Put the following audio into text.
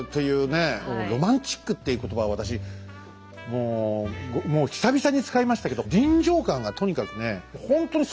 こうロマンチックっていう言葉を私もうもう久々に使いましたけど臨場感がとにかくね